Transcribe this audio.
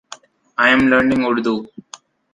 I am learning Urdu.